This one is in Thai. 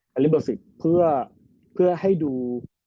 ไปเล่นเบอร์๑๐เพื่อให้ดู